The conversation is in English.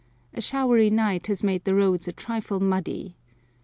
A showery night has made the roads a trifle muddy.